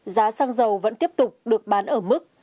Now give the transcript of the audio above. giá xăng dầu vẫn tiếp tục được bán ở mức